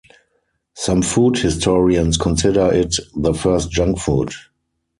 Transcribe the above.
Some food historians consider it the first junk food.